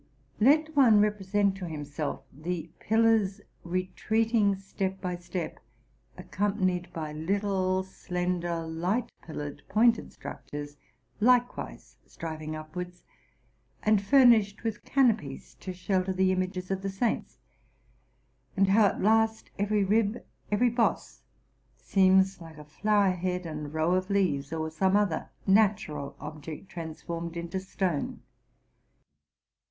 Let one represent to himself the pillars retreating step by step, accompanied by little, slender, light pillared, pointed structures, likewise striving upwards, and furnished with canopies to shelter the images of the saints, and how at last every rib, every boss, seems like a flower head and row of leaves, or some other natural object transformed into stone.